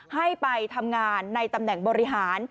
ให้ไปทำงานในตำแหน่งบริหาร